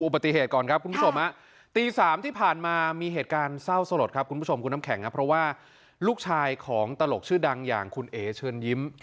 ปฏิเหตุก่อนครับคุณผู้ชมตี๓ที่ผ่านมามีเหตุการณ์เศร้าสลดครับคุณผู้ชมคุณน้ำแข็งครับเพราะว่าลูกชายของตลกชื่อดังอย่างคุณเอ๋เชิญยิ้ม